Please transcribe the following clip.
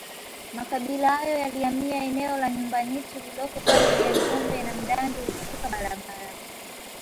Makabila hayo yalihamia eneo la Nyumbanitu lililoko kati ya Njombe na Mdandu katika barabara